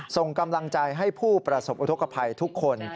ส่งกำลังใจให้ผู้ประสบอุทธกภัยทุกคน